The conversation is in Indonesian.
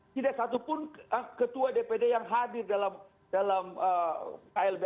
tidak satu pun ketua dpd yang hadir dalam klb